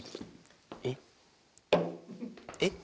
えっ？